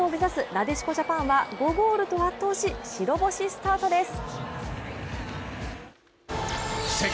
なでしこジャパンは５ゴールと圧倒し白星スタートです。